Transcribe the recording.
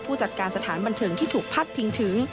ผู้จัดการสถานบันเทิงที่ถูกพัดพิงถึง